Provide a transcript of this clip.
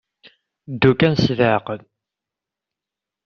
Ddu kan s leɛqel.